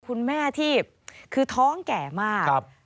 คุณแม่ที่คือท้องแก่มาก